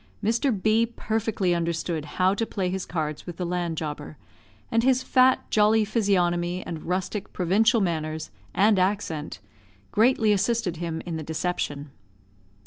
Mr. B perfectly understood how to play his cards with the land jobber; and his fat, jolly physiognomy, and rustic, provincial manners and accent, greatly assisted him in the deception.